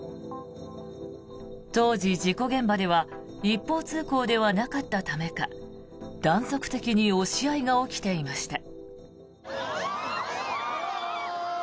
当時、事故現場では一方通行ではなかったためか断続的に押し合いが起きていました。